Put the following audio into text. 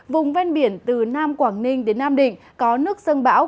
vùng ven biển từ nam quảng ninh đến nam định có nước sân bão